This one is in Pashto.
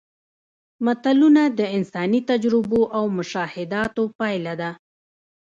متلونه د انساني تجربو او مشاهداتو پایله ده